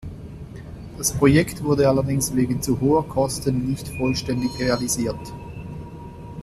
Das Projekt wurde allerdings wegen zu hoher Kosten nicht vollständig realisiert.